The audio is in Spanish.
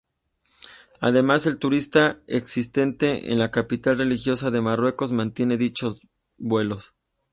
Además, el turismo existente en la capital religiosa de Marruecos mantiene dichos vuelos.